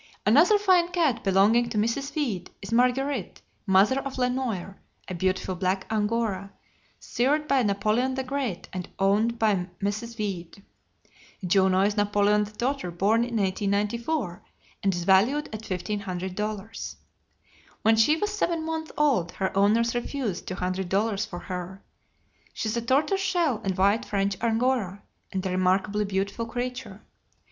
Another fine cat belonging to Mrs. Weed, is Marguerite, mother of Le Noir, a beautiful black Angora, sired by Napoleon the Great and owned by Mrs. Weed. Juno is Napoleon's daughter, born in 1894, and is valued at fifteen hundred dollars. When she was seven months old her owners refused two hundred dollars for her. She is a tortoise shell and white French Angora, and a remarkably beautiful creature.